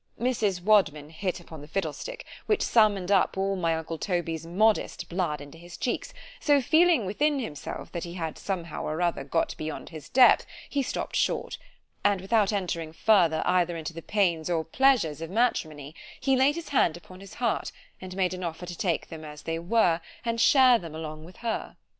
Mrs. Wadman hit upon the fiddlestick, which summoned up all my uncle Toby's modest blood into his cheeks—so feeling within himself that he had somehow or other got beyond his depth, he stopt short; and without entering further either into the pains or pleasures of matrimony, he laid his hand upon his heart, and made an offer to take them as they were, and share them along with her.